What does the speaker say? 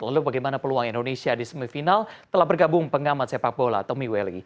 lalu bagaimana peluang indonesia di semifinal telah bergabung pengamat sepak bola tommy welly